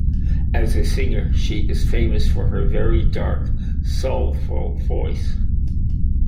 As a singer she is famous for her very dark, soulful voice.